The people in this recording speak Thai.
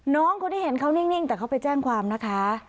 น้องคนที่เห็นเขานิ่งแต่เขาไปแจ้งความนะคะ